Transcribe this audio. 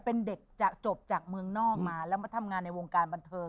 เป็นเด็กจะจบจากเมืองนอกมาแล้วมาทำงานในวงการบันเทิง